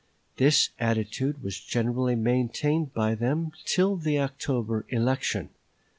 This attitude was generally maintained by them till the October election.